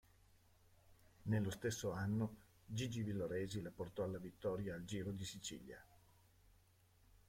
Nello stesso anno Gigi Villoresi la portò alla vittoria al Giro di Sicilia.